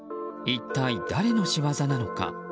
一体誰の仕業なのか。